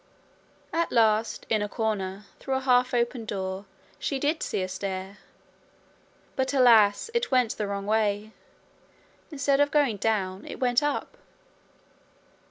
At last, in a corner, through a half open door, she did see a stair. But alas! it went the wrong way: instead of going down, it went up.